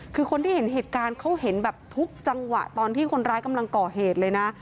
คือคนที่เห็นเหตุการณ์เขาเห็นแบบทุกจังหวะตอนที่คนร้ายกำลังก่อเหตุเลยนะ